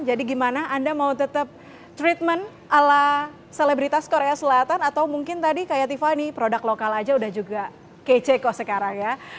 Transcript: jadi gimana anda mau tetap treatment ala selebritas korea selatan atau mungkin tadi kayak tiffany produk lokal aja udah juga kece kok sekarang ya